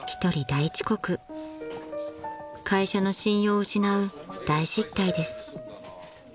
［会社の信用を失う大失態です］